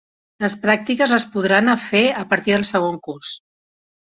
Les pràctiques les podran a fer a partir del segon curs.